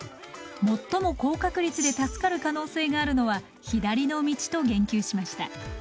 最も高確率で助かる可能性があるのは左の道と言及しました。